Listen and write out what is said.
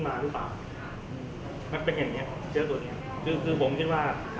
มันประกอบกันแต่ว่าอย่างนี้แห่งที่